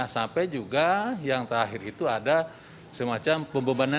sampai juga yang terakhir itu ada semacam pembebanan